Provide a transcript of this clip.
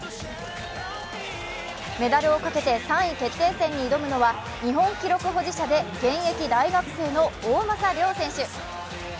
メダルをかけて３位決定戦に挑むのは日本記録保持者で現役大学生の大政涼選手。